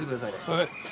はい。